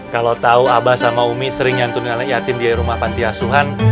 kalau tahu abah sama umi sering nyantun anak yatim di rumah pantiasuhan